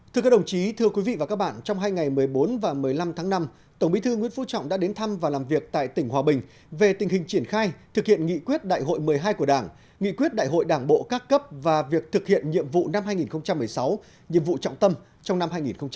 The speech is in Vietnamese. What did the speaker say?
thưa các đồng chí thưa quý vị và các bạn trong hai ngày một mươi bốn và một mươi năm tháng năm tổng bí thư nguyễn phú trọng đã đến thăm và làm việc tại tỉnh hòa bình về tình hình triển khai thực hiện nghị quyết đại hội một mươi hai của đảng nghị quyết đại hội đảng bộ các cấp và việc thực hiện nhiệm vụ năm hai nghìn một mươi sáu nhiệm vụ trọng tâm trong năm hai nghìn hai mươi